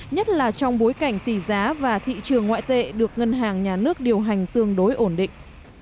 nhất là trong bối cảnh tỷ giá và thị trường ngoại tệ được ngân hàng nhà nước điều hành tương đối ổn định